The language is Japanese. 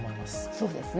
そうですね。